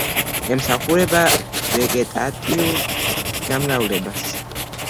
ემსახურება ვეგეტატიურ გამრავლებას.